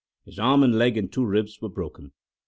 His arm and leg and two ribs were broken.